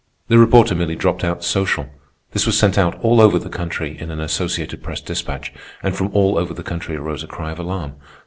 The reporter merely dropped out "social." This was sent out all over the country in an Associated Press despatch, and from all over the country arose a cry of alarm.